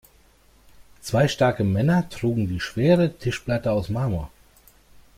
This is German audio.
Zwei starke Männer trugen die schwere Tischplatte aus Marmor.